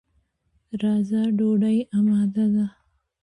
راځه، ډوډۍ اماده ده.